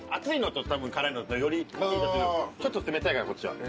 ちょっと冷たいからこっちは。